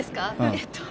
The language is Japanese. えっと